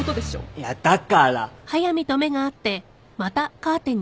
いやだから。